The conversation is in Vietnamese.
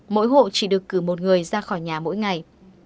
mỗi hộ chỉ được cử một người ra khỏi nhà mỗi ngày